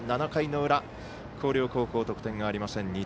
７回の裏、広陵高校得点がありません。